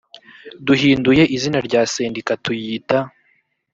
duhinduye izina rya sendika tuyita